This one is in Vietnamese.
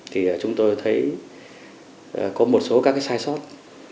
thì chúng tôi thấy có một số các cái sai sót